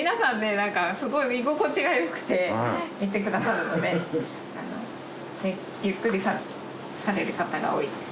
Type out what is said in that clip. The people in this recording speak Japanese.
なんかすごい居心地がよくていてくださるのでゆっくりされる方が多いです。